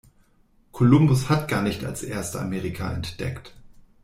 Columbus hat gar nicht als erster Amerika entdeckt.